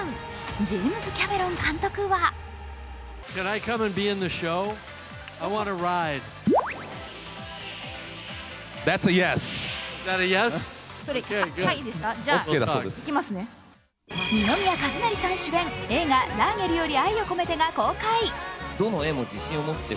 ジェームズ・キャメロン監督は二宮和也さん主演、映画「ラーゲリより愛を込めて」が公開。